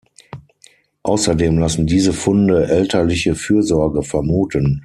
Außerdem lassen diese Funde elterliche Fürsorge vermuten.